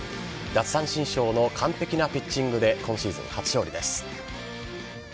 奪三振ショーの完璧なピッチングで今シーズン初勝利です。